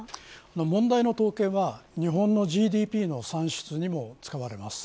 問題の統計は日本のＧＤＰの算出にも使われます。